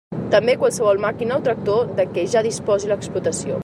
També qualsevol màquina o tractor de què ja disposi l'explotació.